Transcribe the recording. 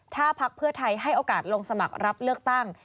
ถ้าพักเพื่อไทยให้โอกาสลงสมัครรับเลือกตั้ง